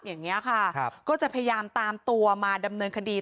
อย่างนี้ค่ะก็จะพยายามตามตัวมาดำเนินคดี